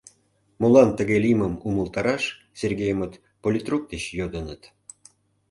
Молан тыге лиймым умылтараш Сергеймыт политрук деч йодыныт.